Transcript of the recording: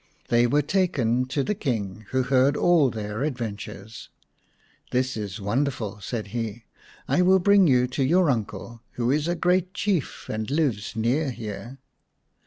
They were taken to the King, who heard all their adventures. " This is wonderful," said he. " I will bring you to your uncle, who is a great Chief and lives near here."